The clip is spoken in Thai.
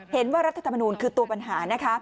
เห็นว่ารัฐธรรมนูญคือตัวปัญหา